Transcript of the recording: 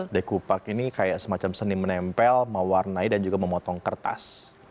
dekupak ini kayak semacam seni menempel mewarnai dan juga memotong kertas